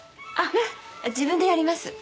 あっ自分でやります。